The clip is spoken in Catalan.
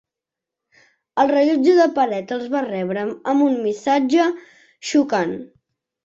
El rellotge de paret els va rebre amb un missatge xocant.